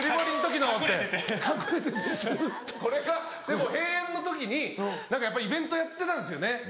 でも閉園の時に何かやっぱイベントやってたんですよね。